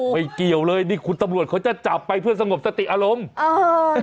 เกี่ยวเลยนี่คุณตำรวจเขาจะจับไปเพื่อสงบสติอารมณ์เออ